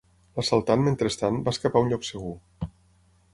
L'assaltant, mentrestant, va escapar a un lloc segur.